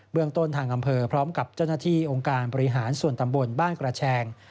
เมืองต้นทางอำเภอพร้อมกับเจ้าหน้าที่องค์การบริหารส่วนตำบลบ้านกระแชง